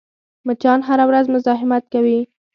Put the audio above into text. مچان هره ورځ مزاحمت کوي